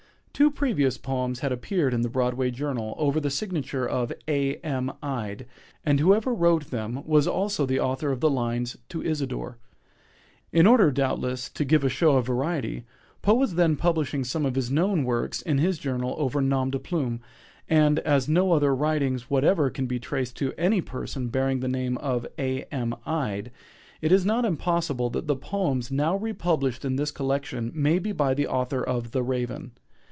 Two previous poems had appeared in the "Broadway journal" over the signature of "A. M. Ide," and whoever wrote them was also the author of the lines "To Isadore." In order, doubtless, to give a show of variety, Poe was then publishing some of his known works in his journal over _noms de plume, _and as no other writings whatever can be traced to any person bearing the name of "A. M. Ide," it is not impossible that the poems now republished in this collection may be by the author of "The Raven."